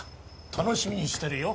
楽しみにしてるよ。